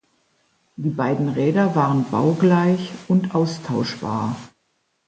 Die beiden Räder waren baugleich und austauschbar.